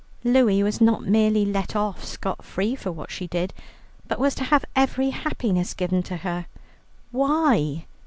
Louie was not merely let off scot free for what she did, but was to have every happiness given to her. Why?